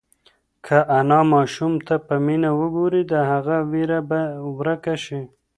که انا ماشوم ته په مینه وگوري، د هغه وېره به ورکه شي.